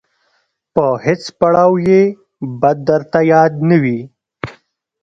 په هیڅ پړاو یې بد درته یاد نه وي.